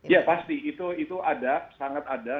ya pasti itu ada sangat ada